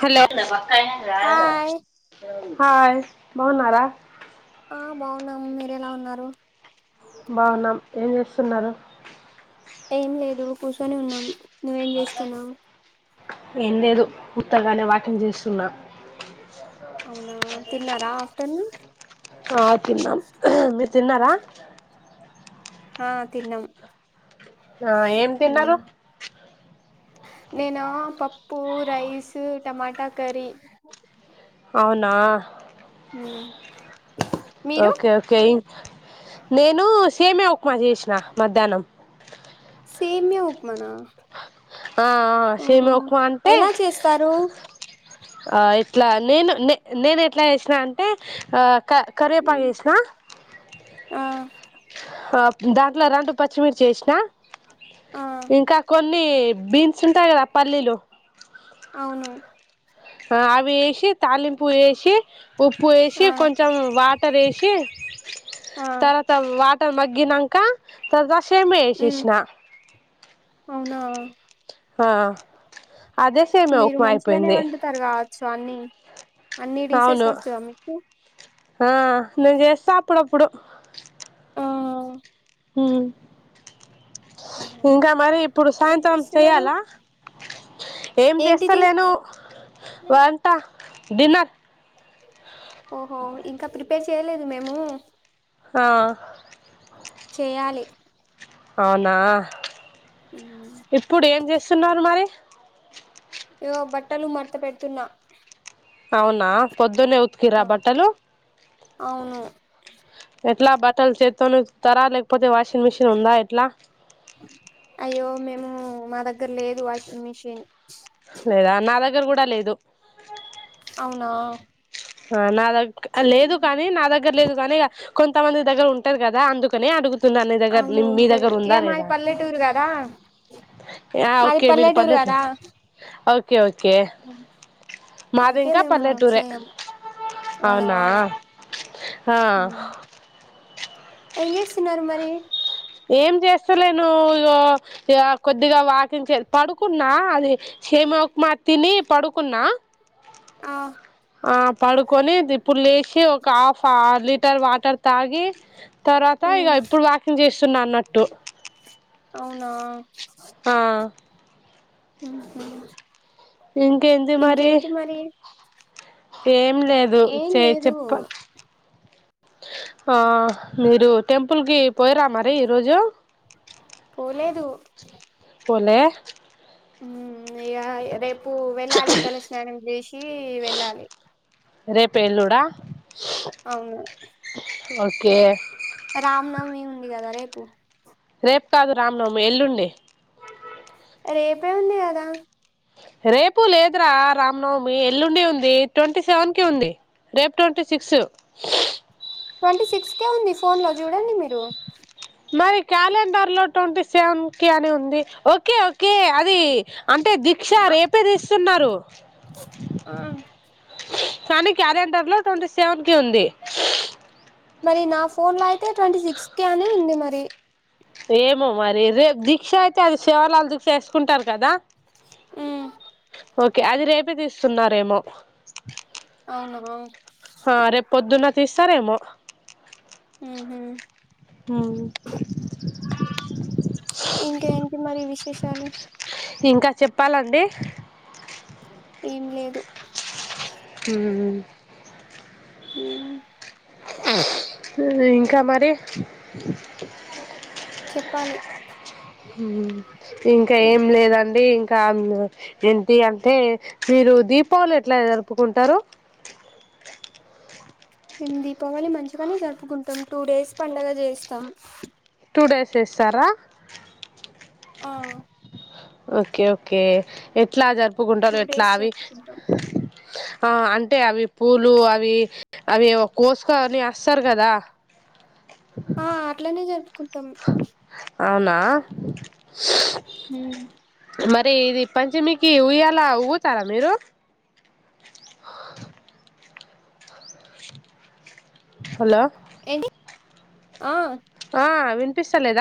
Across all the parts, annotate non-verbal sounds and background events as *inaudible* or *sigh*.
Hello అ hi hi బాగున్నారా ఆ బాగున్నాము మీరెలా ఉన్నారు బాగున్నాం ఏం చేస్తున్నారు ఏం లేదు కూర్చొని ఉన్నాం నువ్వేం చేస్తున్నావు ఏం లేదు ఉత్తగానే వాకింగ్ చేస్తున్నా అవునా తిన్నారా ఆఫ్టర్నూన్ ఆ తిన్నాం మీరు తిన్నారా హా తిన్నాము ఆ ఏం తిన్నారు నేనా పప్పు రైస్ టమాటా కర్రీ అవునా మ్మ్ ఓకే ఓకే నేను సెంటర్ ఉప్మా చేష్ నా మధ్యాహ్నం సేమ్య ఉప్మానా ఆ ఓహో సామ్య ఉప్మా అంటే ఎలా చేస్తారు ఆ ఎట్లా నేను న నేను ఎట్లా చేసినా అంటే ఆ కరువే పాకు ఉమ్. వేసిన ఆ దాంట్లో రండు పచ్చిమిర్చి చేసినా ఆ పల్లీ బీన్స్ ఉంటాయి కదా పల్లీలు అవును అవి ఎసి తాలింపుూ ఎసి ఉప్పు వేసి ఆ కొంచెం వాట్ తరేసి ఆ తర్వాత వాట మ గనాంక సేమ్యా ఉమ్ ఏసేసిన అవునా అదే సేమియా మీరు ఉప్మా మంచిగానే అయిపోయింది వంటుతారు కా స్వాని అన్ని డిసెస్ అవును వస్తుందా మీకు ఆ నేను చేస్తా అపుడపుడు ఆ హ ఆహా ఇంకా మరి ఇప్పుడు ఇంకేం సాయంత్రం చేస్తున్నారు చెయాలా ఏం ఏంటిది చేస్తలేను వంట డిన్నర్ ఓహో ఇంకా ప పేర్ చేయలేదు మేము ఆ చేయాలి అవునా ఇప్పుడు ఏం చేస్తున్నారు మరి ఏయో బట్టలు మడత పెడుతున్నా అవునా పొద్దు ఇనే ఉత్కరా బట్టలు అవును ఎట్లా బట్టలు చేత్తోనే బతుకుతర లేకపోతే వాషింగ్ మిషిన్ ఉందా ఎట్లా అయ్యో మేము మా దగ్గర లేదు వాషింగ్ మిషిన్ లేదా నా దగ్గర కూడా లేదు అవునా ఆ నా దగ్గర లేదు కానీ నా దగ్గర లేదు కానీక కొంతమంది దగ్గర ఉంటారు కదా అందుకని అడుగు నీ దగ్గర అవును మీ ఉంటది దగ్గర ఇగ ఉందా మాది లేదా పల్లెటూరు కదా ఆ మాది ఓకే మీది కదా పల్లెటూరు ఓకే ఓకే అందుకే మాదింకా మేము పల్లెటూరే చేయం అవునా ఆ ఏం చేస్తున్నారు మరి ఏం చేస్తలే నువ్వు ఇక కొద్దిగా వాకింగ్ పడుకున్నా అది సేమియా ఉక్మా తిని పడుకున్నా ఆ ఆ పడుకొని ఇప్పుడు లేచి ఒక హాఫ్ లీటర్ వాటర్ తాగి తర్వాత ఇక ఉమ్ ఇప్పుడు వాకింగ్ చేస్తున్నా అన్నట్టు అవునా ఆ *inaudible* ఇంకెంది మరి ఇంకేంటి మరి ఏం లేదు ఏం చె లేదు చెప్పు ఆ మీరు టెంపుల్ కి పోయరా మరి ఈరోోజు పోలేదు పోలే *inaudible* ప్పు వెళ్ళాలి తలస్నానం చేసి వెళ్ళాలి రేపు ఎల్లుడా అవును ఓకే రామ్నవమి ఉంది కదా రేపు రేపు కాదు రామ్నవమి ఎల్లుండి రేపే ఉంది కదా రేపు లేదురా రామ్నవమి మీ ఎల్లుండి ఉంది ట్వంటీ సెవెన్ కి ఉంది రేపు ట్వంటీ సిక్స్ ట్వంటీ సిక్స్ కే ఉంది ఫోన్ లో చూడండి మీరు మరి క్యాలెండర్ లో ట్వంటీ సెవెన్ కి అని ఉంది ఓకే ఓకే అది అంటే దీక్ష రేపేది స్తున్నారు ఆ కానీ క్యాలెండర్ లో ట్వంటీ సెవెన్ కి ఉంది మరి నా ఫోన్ లాయితే ట్వంటీ సిక్స్ కి అని ఉంది మరి *inaudible* ఏమో మరి రేపు దీక్ష అయితే అది శివలాాల దీక్ష వేసుకుంటారు కదా ఉమ్ ఓకే అది రేపే తీస్తున్నారేమో అవునా ఆ రేపు పొద్దున తీస్తరేమో *inaudible* హ్మ్ హు ఇంకేంటి మరి విష్ విషాలు ఇంక చెప్పాలండి ఏం లేదు ఊ ఊ ఇంకా మరి చెప్పాలి ఊ ఇంక ఏం లేదండి ఇంక ఆమ్ ఏంటి అంటే మీరు దీపావళి ఎట్లా జరుపుకుంటారు మేము దీపావళి మంచిగనే జరుపుకుంటాం టూ డేస్ పండగ చేస్తాం టూ డేస్ చేస్తార ఆ ఓకే ఓకే ఎట్ల జరుప్ పుగుంటరు టూ ఎట్లా డేస్ ఆవి జరుపుకుంటాం ఆ అంటే అవి పూలు అవి అవి కోసుకోవని ఆ అట్లనే జరుపు కుంటాం అవునా ఊ మరి ఇది పంచమికి ఉయ్యల ఊగుతార మీరు హలో ఏంటి ఆ ఆ వినిపిస్తలేద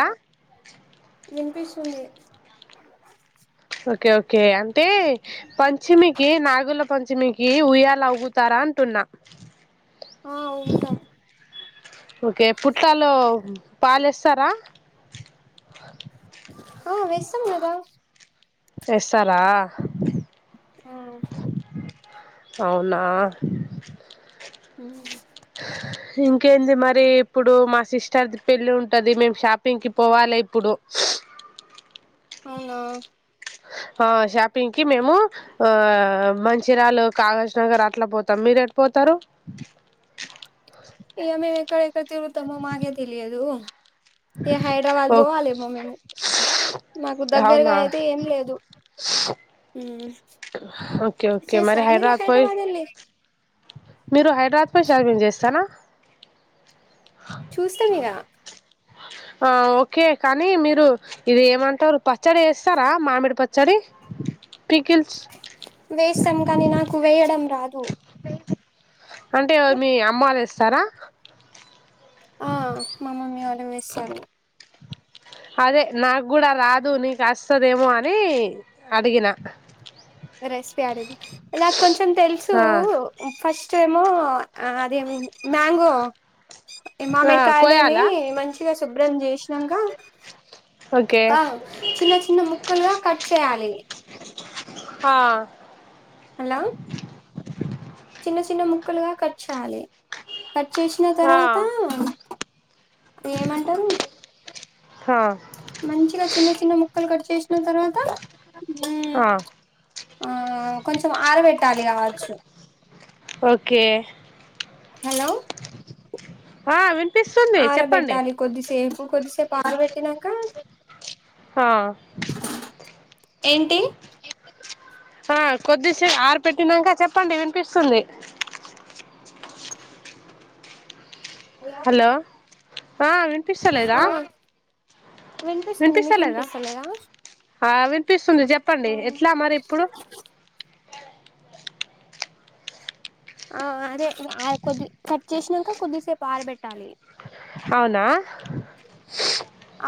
వినిపిస్తుంది ఓకే ఓ ఓకే అంటే పంచమికి నాగుల పంచమికి ఉయ్యాల ఊగుతార అంటున్నా ఆ ఊగుతం ఓకే పుట్టలో పాలెస్ తరా ఆ వేస్తాం గదా చేస్తార ఊ అవునా హ్మ్ ఇంకేంది మరి ఇప్పుడు మా సిస్టర్ది పెళ్లి ఉంటది మేము షాపింగ్ కి పోవాలే ఇప్పుడు అవునా ఆ షాపింగ్ కి మేము ఆ మంచిరాలు కాగజ్ నగర్ అట్లా పోతాం మీరెటు పోతారు ఇగ మేం ఎక్కడెక్కడ తరుగుతామో మాగే తెలియదు ఇగ హైదరాబాద్ ఓక్ పోవాలేమో మేము మాకు దగ్గరగా అవునా అయితే ఏం లేదు హ్మ్ ఓకే ఓకే మరి చేస్తారా మీరు హైదరాబాద్ పోయి వెళ్ళి మీరు హైడ్రాత్ ఫుల్ షాపింగ్ చేస్తానా చుస్తం ఇగా ఓకే కానీ మీరు ఇది ఏమంటారు పచ్చడి వేస్తారా మామిడి పచ్చడి పికిల్స్ వేస్తాం కానీ నాకు వేయడం రాదు అంటే మీ అమ్మలుేస్త సరా ఆ మమమ్మీ వాళ్ళ సవశం అదే నాకు కూడా రాదు నీకు వస్తుదేమో అని అడిగిన రెసిపీ ఆడిది నాకు కొంచెం తెలుసు ఆ ఫస్ట్ చెముో అది మ్యాంగో ఆ మామిడి కాయలుని కోయాలా మంచిగా సుబ్రంజేశష్ నింగా ఓకే చిన్న చిన్న ముక్కలుగా కట్ చేయాలి పా హలో చిన్న చిన్న ముక్కలుగా కట్ చేయాలి కట్ చేసిన ఆ తర్వాత ఏమంటారు ఆ మంచిగా చిన్న చిన్న ముక్కలు కట్ చేసిన తర్వాత ఆ ఆ కొంచెం అరవెట్ తాలిగా కవోచు ఓకే హలో ఆ విన్ ఆరబెట్టాలి కొద్దిసేపు కొద్దిసేపు ఆరబెట్టినాక ఆ ఏంటి ఆ కొద్దిసే ఆరు పెట్టినాక చెప్పండి వినిపిస్తుంది హలో ఆ వినిపిస్తలేదా ఆ వినిపిస్తుంది మీకు వినిపిస్తులేదా హా విన్పిస్ వస్తుంది చెప్పండి ఎట్లా మరి ఇప్పుడు ఆ అదే కొద్ది కట్ చేసినాక కొద్దిసేపు ఆరబెట్టాలి అవునా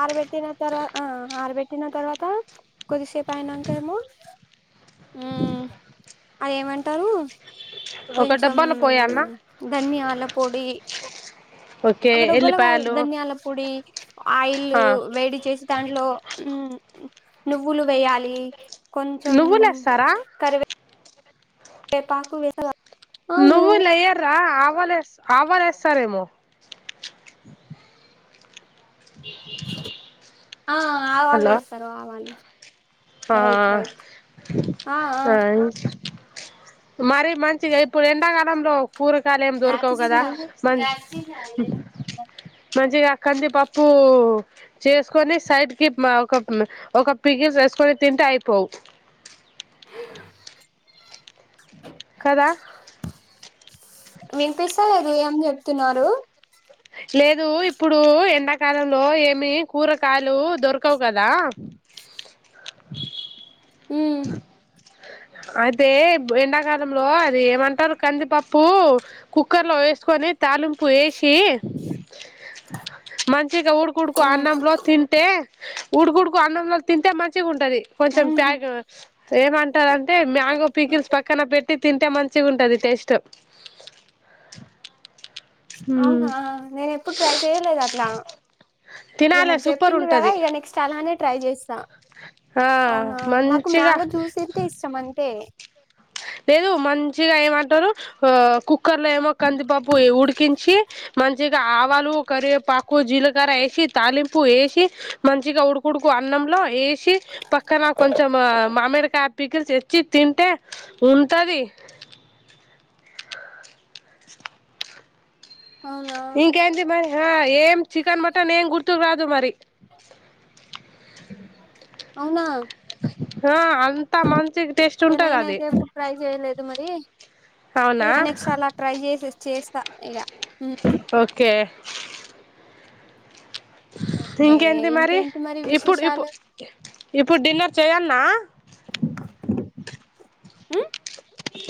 ఆరబెట్టిన తర్వాత ఆరబెట్టిన తర్వాత కొద్దిసేపు అయినాక ఏమో అది ఏమంటారు ఒక కొంచెం డబ్బాలో పోయాల్నా ధనియాల పొడి ఓకే ఒక డబ్బలు కా ఎల్లిపాయలు ధనియాల పొడి ఆయిల్ ఆ వేడి చేసి దాంట్లో నువ్వులు వేయాలి కొంచెం నువ్వులు ఏస్తారా కరివే పాకు వే నువ్వు లేయ్యర ఆవాలు ఆవాలేస్తారేమో ఆ ఆవాళ్ళు హలో వేస్తారు ఆవాళ్లు ఆ ఆ ఆ అ మరి మంచిగా ఇప్పుడు ఎండాకాలంలో కూరగాయలయం దొరకవు కదా మ మంచిగా కంది పప్పు చేసుకొని సైడ్ కి ఒక ఒక పపికిల్ వేసుకొని తింట అయిపో కదా వినిపిస్తలేదు ఏం చెప్తున్నారు లేదు ఇప్పుడు ఎండాకాలంలో ఏమి కూరకాయలు దొరకవు కదా మ్మ్ అదే ఎండాకాలంలో అది ఏమంటారు కందిపప్పు కుక్కర్ లో వేసుకొని తాలింపు వేసి మంచి ఇచ్చగా ఉడుకుడుకు మ్మ్ అన్నంలో తింటే హుడ్కుడ్డుకు అన్నంలు తింటే మంచిగా ఉంటది కొంచెం ఉహు ప్యాగ ఏమంటారంటే మ్యాంగో పీకిల్స్ పక్కన పెట్టి తింటే మంచి ఉంటంది టేస్ట్ అవునా నేను ఎప్పుడు ట్రై చేయలేదు అట్లా ఇక తినాలే మీరు సూపర్ చెప్పిండ కదా ఉంటది ఇక నెక్స్ట్ అలానే ట్రై చేసి స్తా ఆ అవునా నాకు మంచిగా మ్యాంగో జ్యూస్ అంటే ఇష్టం అకే లేదు మంచిగా ఏమంటారు ఆ కు కుక్కర్ లో ఏమో కందిపబు ఉడికించి మంచిగా ఆవాలు కరివేపాకు జీలకర వేసి తాలింపు వేసి మంచిగా ఉడుకుడుకు అన్నంలో వే పక్కన కొంచెం మామిడి కాపీకల్ తెచ్చి తింటే ఉంటది ఆ అవునా ఇంకేంటి మరి ఆ ఏం చికెన్ మటన్ ఏం గుర్తుకు రాదు మరి అవునా అ ఇక అది నేనైతే ఎప్పుడు ట్రై చేయలేదు మరి అవునా ఇక నెక్స్ట్ అలా ట్రై చేసేస్ చేస్తా ఇగ ఓకే ఓకే ఇంకేంటి మరి ఇంకేంటి ఇప్పుడు ఇప్పుడ విశేషాలు ఇప్పుడు డిన్నర్ చెయ్యాల్నా ఉమ్మ్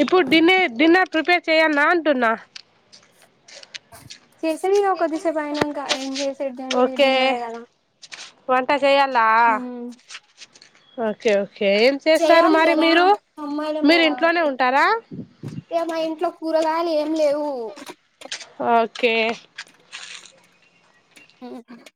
ఇప్పుడు డిన్నర్ డిన్నర్ ప్రిపేర్ చేయాల్నా అంటున్నా ఆ చేసే *unintelligible* కొద్దిసేపైనంక ఏం చేసేడుదుంది ఓకే డిన్నరే కదా వంట చెయ్యాలా ఉమ్, వ కే ఓకే ఏం చేస్తారు చేయాలి మరి కదా మీరు అమ్మాయిలం మీరు కదా ఇంట్లోనే ఉంటారా ఇగ మా ఇంట్లో కూరగాయలు ఏం లేవు ఓకే *unintelligible*